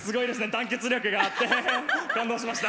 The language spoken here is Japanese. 団結力があって感動しました。